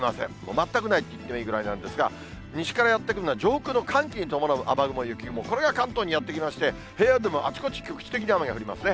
全くないと言ってもいいぐらいなんですが、西からやって来るのは上空の寒気に伴う雨雲、雪雲、これが関東にやって来まして、平野でもあちこち、局地的に雨が降りますね。